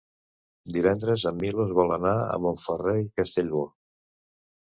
Divendres en Milos vol anar a Montferrer i Castellbò.